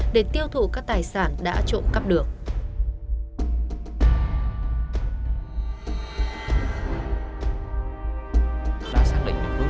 để tiêu thụ các tài sản đã trộm cắp được